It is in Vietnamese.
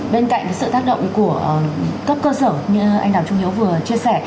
bên cạnh sự tác động của cấp cơ sở như anh đào trung hiếu vừa chia sẻ